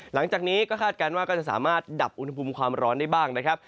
หลังจากนี้ก็คาดการณ์ว่าก็จะสามารถดับอุณหภูมิความร้อนได้บ้างนะครับ